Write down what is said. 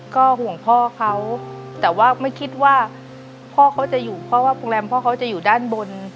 ก็ห่วงพ่อเขาแต่ว่าไม่คิดว่าพ่อเขาจะอยู่เพราะว่าโรงแรมพ่อเขาจะอยู่ด้านบน